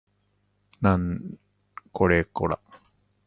なんこれこら